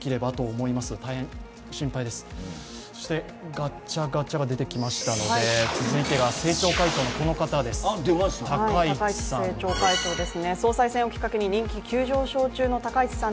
ガチャガチャが出てきましたので続いては政調会長の高市さん。